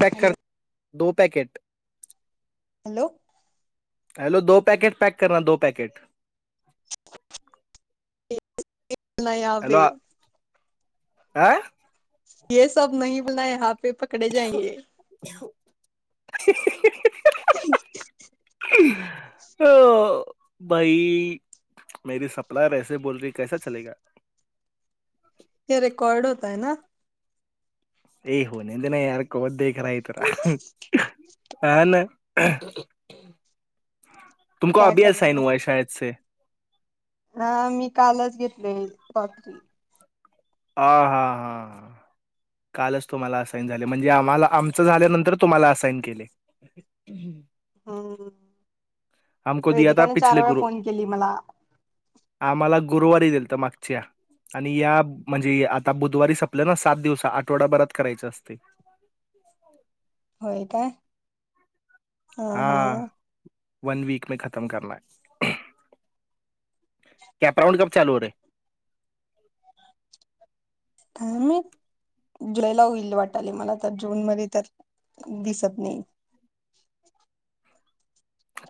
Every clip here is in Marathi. पॅक कर हेलो दो दो पॅकेट हॅलो हॅलो दो पॅकेट पॅक करणार दो पॅकेट [inaudible] ये [inaudible] काय ये सब नाही बुलाया अभि पकडे जायंगे अ भाई मेरी सपलाय वेसा बोले कैसा चलेगा हे रेकॉड हो तय ना ये होने देना खलायतार [inaudible] तुमको क्या अभी असायन करेंगे हुआ है शायद से हा मी कालच घेतलोय रात्री हा हा हा कालच तुम्हाला असाईन झाले म्हणजे आम्हाला आमच झाल्यानंतर तुम्हाला असाईन केलय हा [inaudible] केली मला गुरुवारी दिलतं मागच्या आणि या म्हणजे आता बुधवारी संपलं ना सात दिवसात आठवडाभरात करायच असतय. व्हय काय? हां हां [inaudible] कॅपराऊंड क्ं चालू र तर मी जुलैला होईल वाटायलय मला तर जून मध्ये तर दिसत नाही.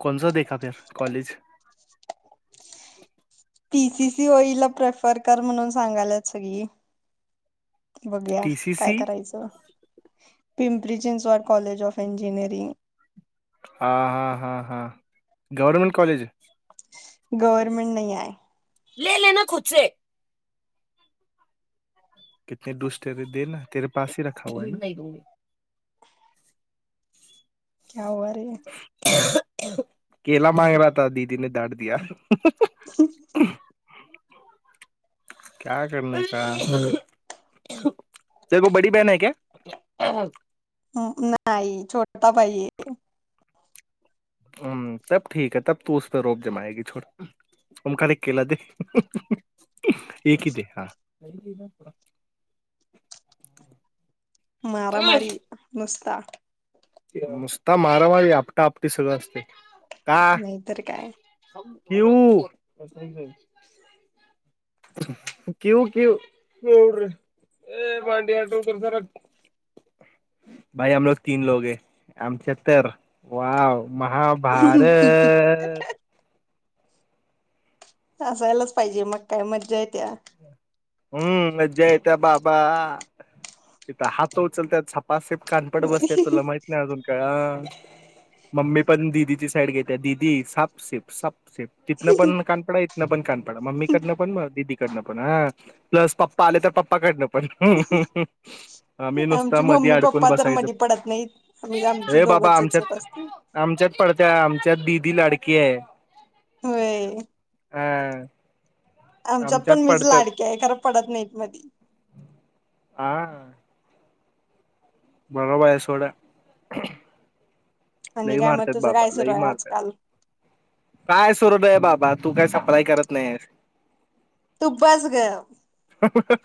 कोणसा देखा फिर, कॉलेज. पीसीसी होईल प्रेफर कर म्हणून सांगायल्यात सगळी. बघुया, काय टीसीसी करायचं. Pimpri Chinchwad college of engineering. हा हा हा हा गव्हर्नमेंट कॉलेज गव्हर्नमेंट नाही हाय. [inaudible] [inaudible] [inaudible] [inaudible] [inaudible] [inaudible] [inaudible] [inaudible] मारामारी नुस्- त नुसता मारामारी आपटा आपटी सगळं असतय. नाहीतर काय देऊ- [inaudible] महाभारत असायलाच पाहिजे मग काय मज्जा येतीया. हम्म् मज्या येतया बाबा तिथ हात उचलत्यात झा्- पास एक कानपड बसत्यात तुला माहित नाही अजून का? मम्मी पण दिदीची साईड घेते दिदी साप सिप साप् [inaudible] [inaudible] [inaudible] प्लस पप्पा आले तर, पप्पा कडनं पण आम्ही नुसता आमची मधी मम्मी अडकून पप्पा तर मधी पडत नाहीत आम्ही बसायचं आमची ए् बाबा दोघंच चूक आमच्यात असते आमच्यात पडत्या आम्- त्यात दीदी लाडकी हाय. होय. हा. आमच्यात पण मीच लाडकी आहे, खरं पडत नाहीत मधी. मला बाय सोड. आणि लई काय मग मारत्यात तुझं बाबा काय सुरू लई आहे मारत्यात. आजकाल काय [unintelligible] आहे बाबा. तू काय सप्लाय करत नाहीयेस. तू बस गप.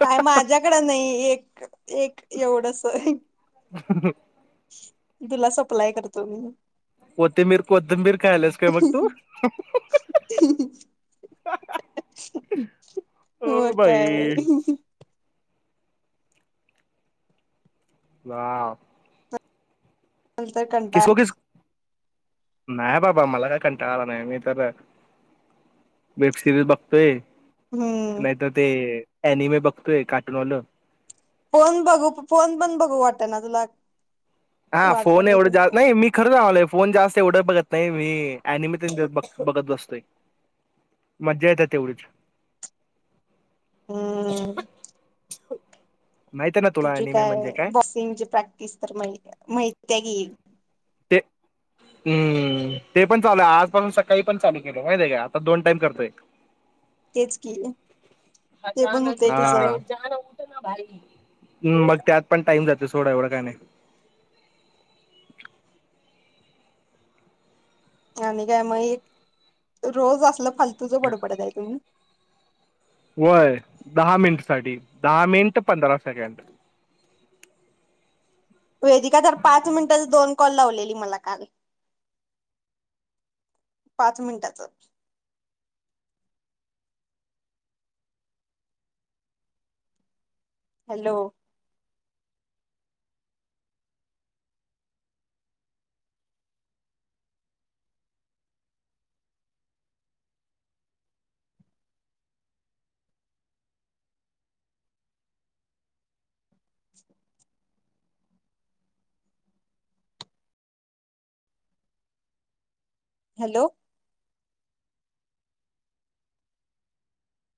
काय माझ्याकडे नाही एक-एक एवढंस. तुला सप्लाय करतो मी. कोथिंबीर- कोथिंबीर खायल्यास काय मग तू? हो मग काय बाई. आह. ल तर कंटाळा नाही बाबा मला काय कंटाळला नाही. मी तर वेब सिरीज बघतोय. हम्म नाही तर ते अॅनिमे बघतोय कार्टुूनवालं. फोन बघू फोन पण बघू वाटना तुला? हा फोन वाटल एवढं कस जा नाही मी खरंच लावायलोय फोन जास्त एवढं बघत नाही मी ॲनिमे तेन बघत बसतोय. मज्जा येत्या तेवढीच. [inaudible] हम्म माहित आहे ना तुला तुझी अनिमे काय म्हणजे बॉक्सिंगची प्रॅक्टिस तर माहित आहे. माहिती हाय की. ते हम्म ते पण चालू आहे आजपासून सकाळी पण चालू केलं माहित आहे का, आता दोन टाइम करतोय. तेच की ते हा पण होतंय तुझं [unintelligible] ह मग त्यात पण टाइम जातोय सोड एवढं काय नाही. आणि काय माहित रोज असलं फलतूझ बडबडत च आहे तुम्ही. होय दहा मिंट साठी, दहा मिंट पंधरा सेकंड. वेदीका तर पाच मिनिटात दोन कॉल लावलेली मला काल. पाच मिनिटाच. Hello hello